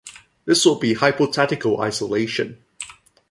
This would be hypothetical isolation.